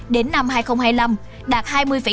đến năm hai nghìn hai mươi năm đạt hai mươi năm hai mươi sáu bảy